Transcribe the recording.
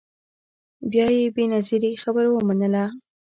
بیا یې بنظیري خبره ومنله